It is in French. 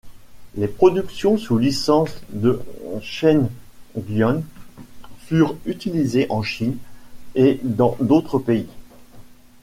Les productions sous licence de Shengyang furent utilisées en Chine et dans d'autres pays.